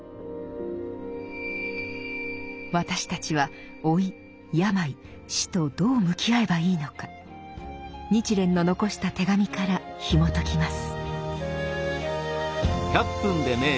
私たちは老い病死とどう向き合えばいいのか日蓮の残した手紙からひもときます。